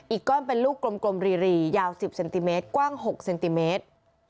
อีกก้อนเป็นลูกกลมรียาว๑๐เซนติเมตรกว้าง๖เซนติเมตร